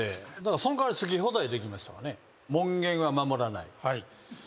その代わり好き放題できましたわね。